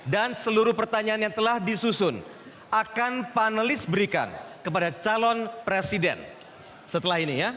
dan seluruh pertanyaan yang telah disusun akan panelis berikan kepada calon presiden indonesia